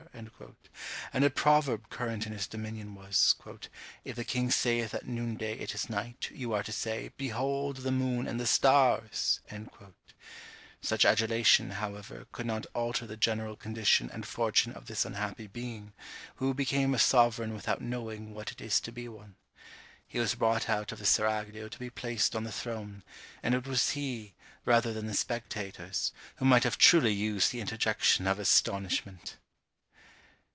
wonder! wonder!" And a proverb current in his dominion was, "If the king saith at noonday it is night, you are to say, Behold the moon and the stars!" Such adulation, however, could not alter the general condition and fortune of this unhappy being, who became a sovereign without knowing what it is to be one. He was brought out of the seraglio to be placed on the throne, and it was he, rather than the spectators, who might have truly used the interjection of astonishment!